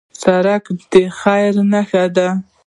سړک د خیر نښه ده.